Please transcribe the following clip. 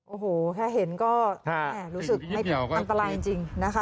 โอ้โฮแค่เห็นก็รู้สึกไม่เป็นปัญหาจริง